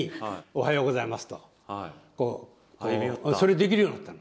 それできるようになった。